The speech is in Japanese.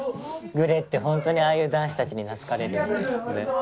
ぐれって本当にああいう男子たちに懐かれるよね。